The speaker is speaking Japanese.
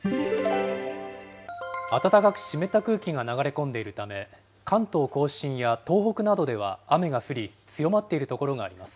暖かく湿った空気が流れ込んでいるため、関東甲信や東北などでは雨が降り、強まっている所があります。